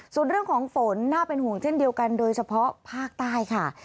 ส่วนเรื่องของฝนน่าเป็นห่วงเช่นเดียวกันโดยเฉพาะภาคใต้ค่ะ